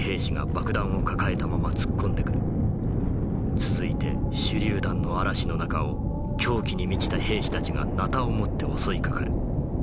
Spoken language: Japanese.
続いて手榴弾の嵐の中を狂気に満ちた兵士たちがナタを持って襲いかかる。